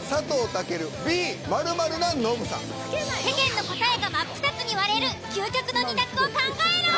世間の答えが真っ二つに割れる究極の２択を考えろ！